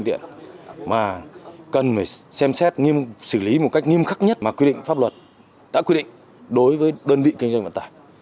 đã xử lý một cách nghiêm khắc nhất mà quy định pháp luật đã quy định đối với đơn vị kinh doanh vận tải